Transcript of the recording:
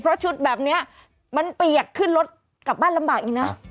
เพราะชุดแบบนี้มันเปียกขึ้นรถกลับบ้านลำบากอีกนะ